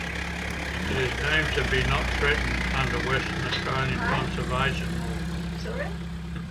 It is deemed to be "Not Threatened" under Western Australian conservation law.